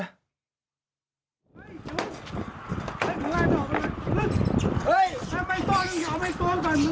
เฮ้ยอย่าไปตัวก่อนไง